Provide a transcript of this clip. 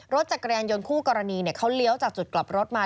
รถจักรยานยนต์คู่กรณีเขาเลี้ยวจากจุดกลับรถมา